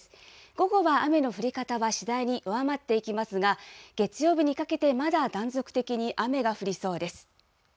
午後は雨の降り方は次第に弱まっていきますが、月曜日にかけて、まだ断続的に雨が降りそうです。